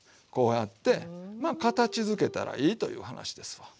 まあ形づけたらいいという話ですわ。